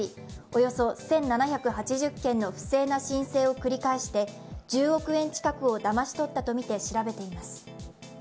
およそ１７８０件の不正な申請を繰り返して１０億円近くをだまし取ったとみて調べています。